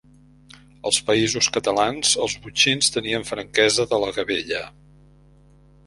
Als Països Catalans els botxins tenien franquesa de la gabella.